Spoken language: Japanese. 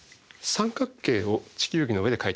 三角形を地球儀の上で描いてみたい。